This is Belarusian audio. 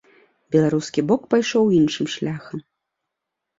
Беларускі бок пайшоў іншым шляхам.